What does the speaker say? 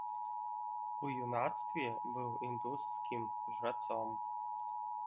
У юнацтве быў індуісцкім жрацом.